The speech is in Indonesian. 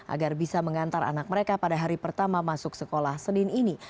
agar bisa mengantar anak mereka pada hari pertama masuk sekolah senin ini